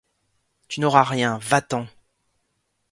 Tu n’auras rien, va-t’en !